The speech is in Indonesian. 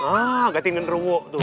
ah gatingin ruwuk tuh